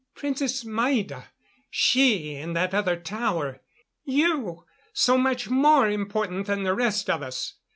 "Princess Maida ... she ... in that other tower ... you, so much more important than the rest of us...."